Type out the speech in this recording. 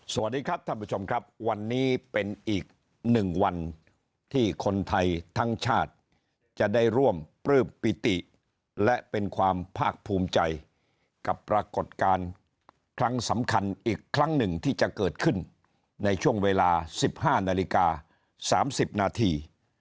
สวัสดีครับท่านผู้ชมครับวันนี้เป็นอีก๑วันที่คนไทยทั้งชาติจะได้ร่วมปลื้มปิติและเป็นความภาคภูมิใจกับปรากฏการณ์ครั้งสำคัญอีกครั้งหนึ่งที่จะเกิดขึ้นในช่วงเวลา๑๕นาฬิกา๓๐นาที